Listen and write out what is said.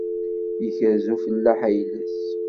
Yekrez ufellaḥ ayla-s.